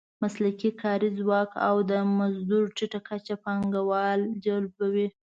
مسلکي کاري ځواک او د مزدور ټیټه کچه پانګوال جلبوي.